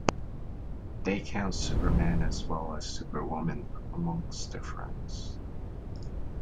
They count Superman as well as Superwoman amongst their friends.